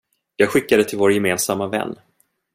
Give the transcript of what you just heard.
Jag skickar det till vår gemensamma vän.